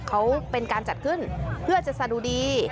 เขาเป็นการจัดขึ้นเพื่อจะสะดุดี